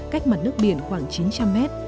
cách mặt nước biển khoảng chín trăm linh mét